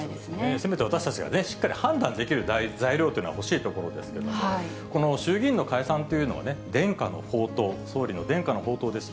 せめて私たちがしっかり判断できる材料というのは欲しいところですけれども、この衆議院の解散というのは、伝家の宝刀、総理の伝家の宝刀です。